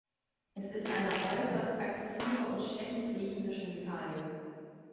Es ist eine äußerst aggressive und stechend riechende Chemikalie.